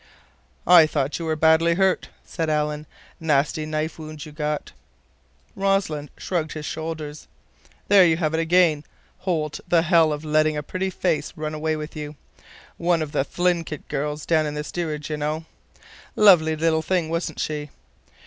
"I thought you were badly hurt," said Alan. "Nasty knife wound you got." Rossland shrugged his shoulders. "There you have it again, Holt—the hell of letting a pretty face run away with you. One of the Thlinkit girls down in the steerage, you know. Lovely little thing, wasn't she?